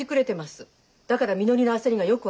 だからみのりの焦りがよく分かるの。